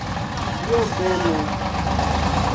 Dio benu!